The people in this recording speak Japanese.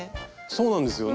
そうなんですよ。